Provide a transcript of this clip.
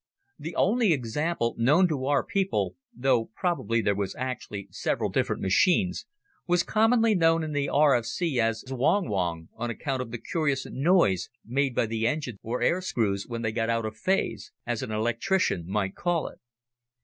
The only example known to our people though probably there were actually several different machines was commonly known in the R.F.C. as "Wong wong," on account of the curious noise made by the engines or air screws when they got "out of phase" as an electrician might call it.